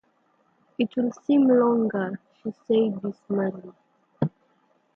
"It will seem longer," she said dismally.